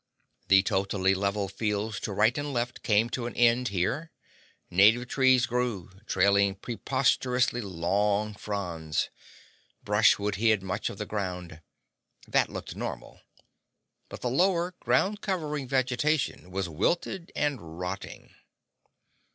The totally level fields to right and left came to an end here. Native trees grew, trailing preposterously with long fronds. Brushwood hid much of the ground. That looked normal. But the lower, ground covering vegetation was wilted and rotting.